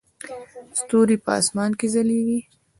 ستوري په اسمان کې ځلیږي